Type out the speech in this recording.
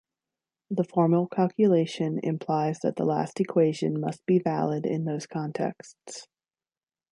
The formal calculation implies that the last equation must be valid in those contexts.